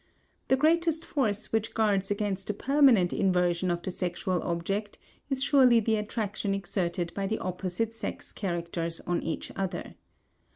The greatest force which guards against a permanent inversion of the sexual object is surely the attraction exerted by the opposite sex characters on each other.